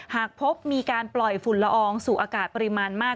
หากพบมีการปล่อยฝุ่นละอองสู่อากาศปริมาณมาก